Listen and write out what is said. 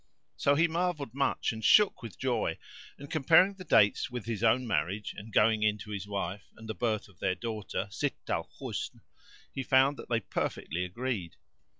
So he marvelled much and shook with joy and, comparing the dates with his own marriage and going in to his wife and the birth of their daughter, Sitt al Husn, he found that they perfectly agreed.